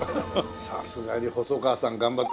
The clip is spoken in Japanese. さすがに細川さん頑張った。